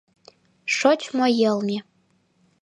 Шочмо йылме…